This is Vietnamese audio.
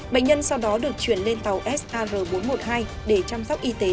bệnh nhân sau đó được chuyển lên tàu sar bốn trăm một mươi hai để chăm sóc y tế